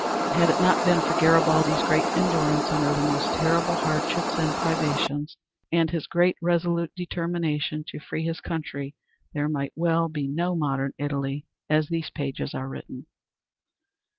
Had it not been for Garibaldi's great endurance under the most terrible hardships and privations, and his resolute determination to free his country, there might well be no modern Italy as these pages are written.